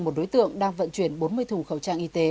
một đối tượng đang vận chuyển bốn mươi thùng khẩu trang y tế